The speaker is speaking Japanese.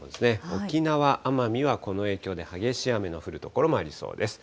沖縄・奄美は、この影響で激しい雨の降る所もありそうです。